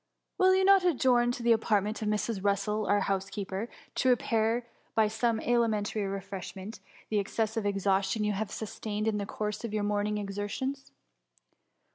Will you not adjourn to the apart ment of Mrs. Russel^ our housekeeper, to re pair by some alimentary refreshment, the ex* cessive exhaustion you have sustained in the course of your morning^s exertions